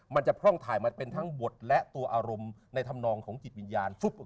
มันจะแล้วพร่องไหลกับบทและตัวอารมณ์ในธำนองของจิตวิญญาณ